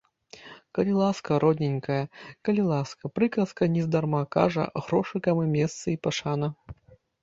Калі ласка, родненькая, калі ласка, прыказка нездарма кажа, грошыкам і месца і пашана.